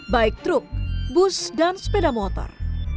baik truk bus dan sepeda motor